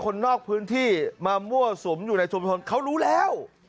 คนนอกพื้นที่มามั่วสุมอยู่ในชุมชนเขารู้แล้ว